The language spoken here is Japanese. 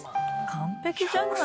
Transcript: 完璧じゃない。